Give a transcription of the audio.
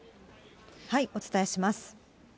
お伝えします。